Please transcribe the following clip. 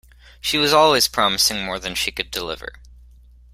She was always promising more than she could deliver.